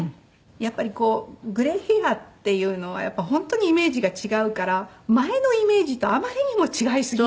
やっぱりグレーヘアっていうのは本当にイメージが違うから前のイメージとあまりにも違いすぎる。